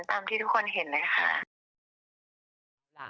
ตามที่ทุกคนเห็นนะคะ